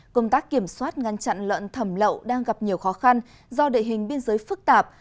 công tác kiểm soát ngăn chặn lợn thầm lậu đang gặp nhiều khó khăn do địa hình biên giới phức tạp